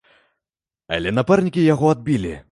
Але напарнікі яго адбілі.